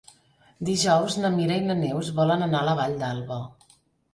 Dijous na Mira i na Neus volen anar a la Vall d'Alba.